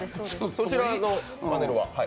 そちらのパネルは？